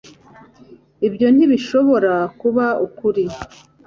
ibyo ntibishobora kuba ukuri